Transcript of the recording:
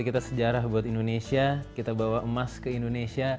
kita sejarah buat indonesia kita bawa emas ke indonesia